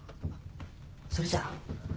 それじゃあ。